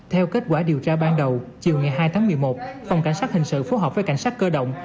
theo kết quả điều tra ban đầu chiều ngày hai tháng một mươi một phòng cảnh sát hình sự phối hợp với cảnh sát cơ động